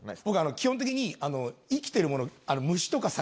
僕基本的に生きてるもの。